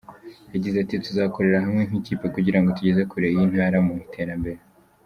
Yagize ati : “Tuzakorera hamwe nk’ikipe kugirango tugeze kure iyi ntara mu iterambere”.